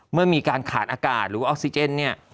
เมื่อมีการขาดอากาศหรือว่าออกซิเจนเนี่ย